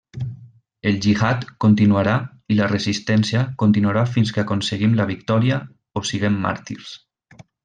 El gihad continuarà i la resistència continuarà fins que aconseguim la victòria o siguem màrtirs.